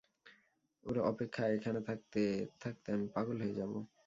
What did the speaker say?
ওর অপেক্ষায় এখানে থাকতে থাকতে আমি পাগল হয়ে যাবো।